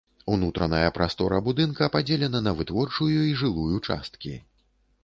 Унутраная прастора будынка падзелена на вытворчую і жылую часткі.